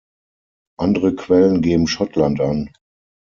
Andere Quellen geben Schottland an.